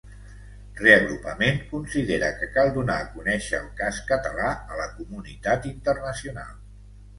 Reagrupament considera que cal donar a conèixer el cas català a la comunitat internacional.